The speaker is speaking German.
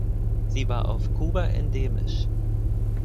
Sie war auf Kuba endemisch.